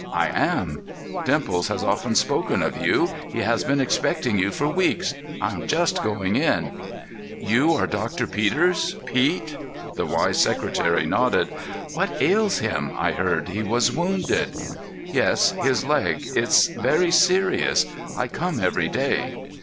"I am." "Dimples has often spoken of you. He has been expecting you for weeks. I'm just going in." "You are Doctor Peters—Pete?" The Y secretary nodded. "What ails him? I heard he was wounded—" "Yes. His leg. It's very serious. I come every day."